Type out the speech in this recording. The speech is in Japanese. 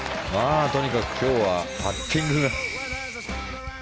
とにかく今日はパッティング。